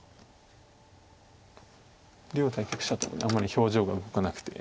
両対局者ともあんまり表情が動かなくて。